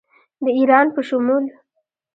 د ایران په شمول